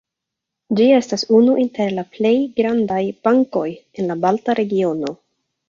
Ĝi estas unu inter la plej grandaj bankoj en la balta regiono.